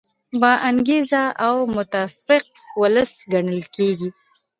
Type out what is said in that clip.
با انګیزه او متفق ولس ګټل کیږي.